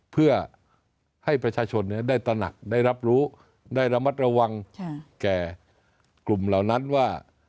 เพื่อให้ประชาชนได้ตระหนักได้รับรู้ได้ระมัดระวังแก่กลุ่มเหล่านั้นว่า